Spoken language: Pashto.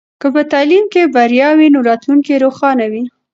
که په تعلیم کې بریا وي نو راتلونکی روښانه وي.